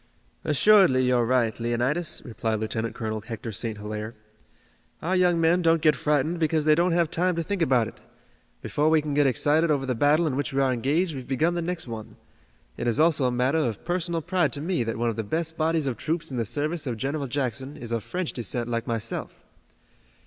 "Assuredly you're right, Leonidas," replied Lieutenant Colonel Hector St. Hilaire. "Our young men don't get frightened because they don't have time to think about it. Before we can get excited over the battle in which we are engaged we've begun the next one. It is also a matter of personal pride to me that one of the best bodies of troops in the service of General Jackson is of French descent like myself."